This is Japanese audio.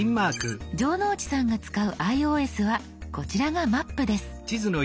城之内さんが使うｉＯＳはこちらが「マップ」です。